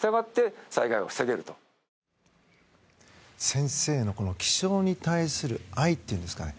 先生の気象に対する愛っていうんですかね。